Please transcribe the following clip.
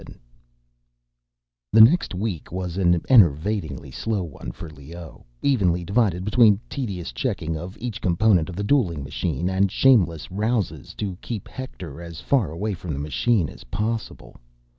VII The next week was an enervatingly slow one for Leoh, evenly divided between tedious checking of each component of the dueling machine, and shameless ruses to keep Hector as far away from the machine as possible.